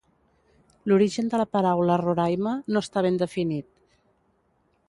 L'origen de la paraula Roraima no està ben definit.